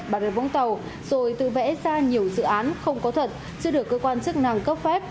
bắc đất võng tàu rồi tự vẽ ra nhiều dự án không có thật chưa được cơ quan chức năng cấp phép